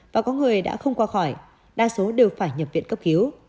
và có người đã không qua khỏi đa số đều phải nhập viện cấp cứu